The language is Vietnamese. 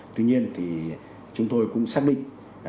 tuy nhiên thì chúng tôi cũng xác định